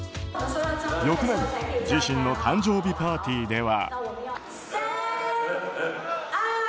翌年自身の誕生日パーティーでは。